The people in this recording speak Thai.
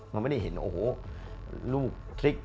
มันไม่ได้เห็นโอ้โหลูกพลิก